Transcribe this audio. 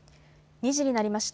２時になりました。